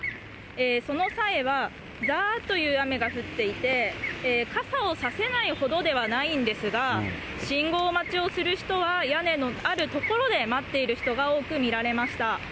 その際は、ざーっという雨が降っていて、傘を差せないほどではないんですが、信号待ちをする人は、屋根のある所で待っている人が多く見られました。